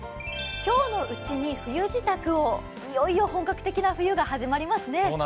今日の内に冬支度をいよいよ本格的な冬が始まりますね。